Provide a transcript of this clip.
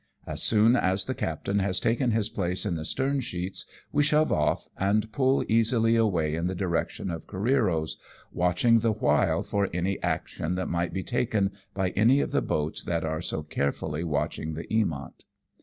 As soon as the captain has taken his place in the stern sheets we shove off, and pull easily away in the direction of Careero's, watching the while for any action that might be taken by any of the boats that are so carefully watching the Eamont.